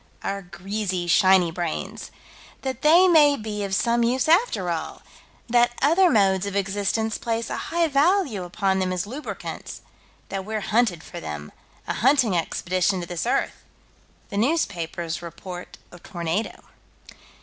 Our greasy, shiny brains. That they may be of some use after all: that other modes of existence place a high value upon them as lubricants; that we're hunted for them; a hunting expedition to this earth the newspapers report a tornado.